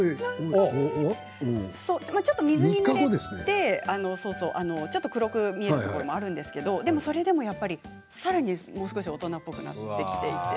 ちょっと水にぬれてちょっと黒く見えるところもあるんですけれどそれでもやっぱりさらに大人っぽくなってきていて。